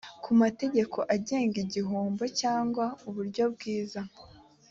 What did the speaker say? ku mategeko agenga igihombo cyangwa uburyo bwiza